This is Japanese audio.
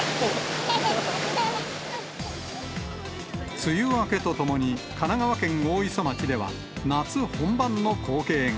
梅雨明けとともに、神奈川県大磯町では、夏本番の光景が。